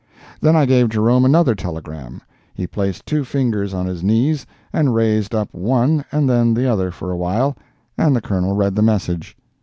Then I gave Jerome another telegram; he placed two fingers on his knees and raised up one and then the other for a while, and the Colonel read the message.